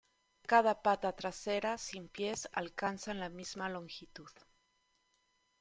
Cada pata traseras sin pies alcanzan la misma longitud.